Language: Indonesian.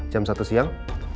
jam satu siang